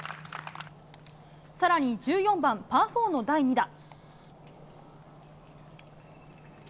さらに１４番パー４の第２打。